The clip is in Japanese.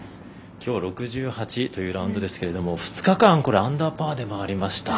きょう６８というラウンドですけど２日間、アンダーパーで回りました。